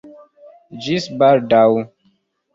Ĝis baldaŭ!